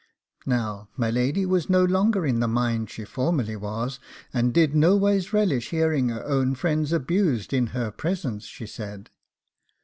Now my lady was no longer in the mind she formerly was, and did noways relish hearing her own friends abused in her presence, she said.